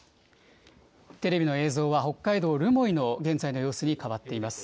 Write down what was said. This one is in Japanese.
テレビの映像は、北海道留萌の現在の様子に変わっています。